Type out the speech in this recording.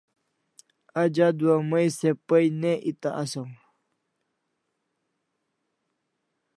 Aj adua mai se pay ne eta asaw